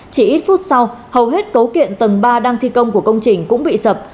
chỉ ít phút sau hầu hết cấu kiện tầng ba đang thi công của công trình cũng bị sập